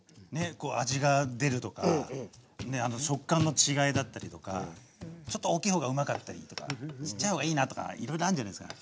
こう味が出るとかね食感の違いだったりとかちょっと大きい方がうまかったりとかちっちゃい方がいいなとかいろいろあんじゃないすか。